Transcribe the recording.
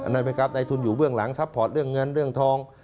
ได้ไหมครับในทุนอยู่เบื้องหลังซัพพอร์ตเรื่องเงินเรื่องทอง